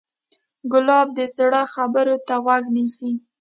ګلاب د زړه خبرو ته غوږ نیسي.